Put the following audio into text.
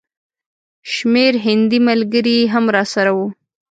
شمېر هندي ملګري هم راسره وو.